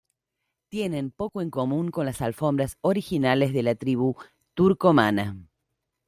Tienen poco en común con las alfombras originales de la tribu turcomana.